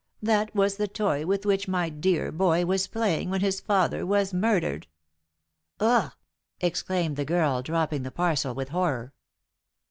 That was the toy with which my dear boy was playing when his father was murdered!" "Ugh!" exclaimed the girl, dropping the parcel with horror.